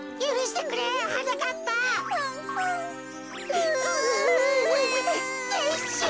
てっしゅう。